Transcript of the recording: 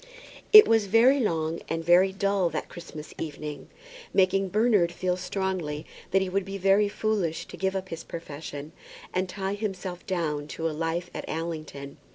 It was very long and very dull that Christmas evening, making Bernard feel strongly that he would be very foolish to give up his profession, and tie himself down to a life at Allington.